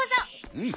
うん。